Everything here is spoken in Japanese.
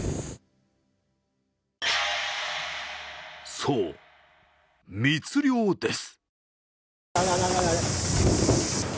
そう、密漁です。